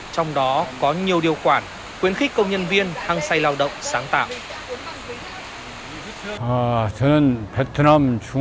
trong đó có nhiều điều quản quyến khích công nhân viên thăng say lao động sáng tạo